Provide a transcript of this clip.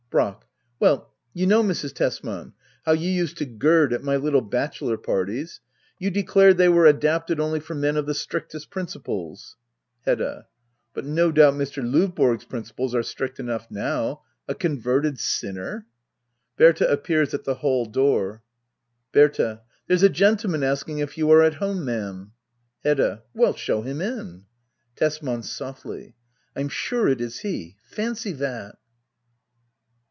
Brack. Well, you know, Mrs. Tesman, how you used to gird at my little bachelor parties. You declared they were adapted only for men of the strictest principles. Hedda. But no doubt Mr. LOvborg's principles are strict enough now. A converted sinner [Berta appears at the hall door, Berta. There's a gentleman asking if you are at home, ma'am Hedda. Well, show him in. Tesman. [Sofilif,] I'm sure it is he ! Fancy that